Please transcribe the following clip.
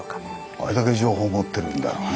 あれだけ情報持ってるんだよね。